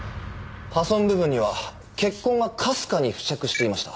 破損部分には血痕がかすかに付着していました。